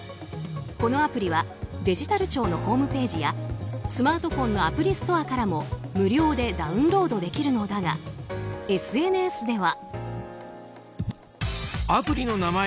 このアプリはデジタル庁のホームページやスマートフォンのアプリストアからも無料でダウンロードできるのだがＳＮＳでは。